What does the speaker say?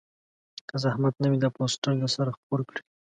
که زحمت نه وي دا پوسټر درسره خپور کړئ